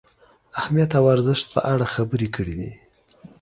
اهمیت او ارزښت په اړه خبرې کړې دي.